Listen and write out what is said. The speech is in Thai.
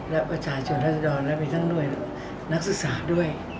และประชาชนรัศดรและมีทั้งด้วยนักศึกษาด้วย